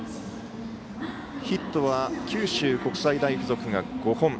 ヒットは九州国際大付属が５本。